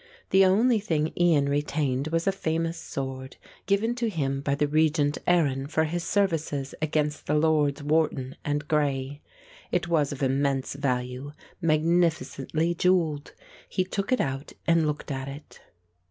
The only thing Ian retained was a famous sword, given to him by the Regent Arran for his services against the Lords Wharton and Grey. It was of immense value, magnificently jewelled. He took it out and looked at it.